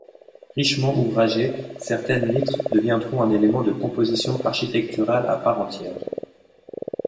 Richement ouvragées, certaines mitres deviendront un élément de composition architecturale à part entière.